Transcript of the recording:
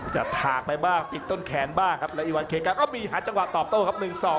ถากไปบ้างติดต้นแขนบ้างครับแล้วอีกวันเคกาก็มีหาจังหวะตอบโต้ครับ